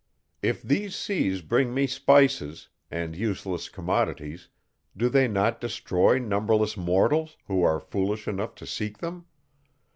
If these seas bring me spices, and useless commodities, do they not destroy numberless mortals, who are foolish enough to seek them?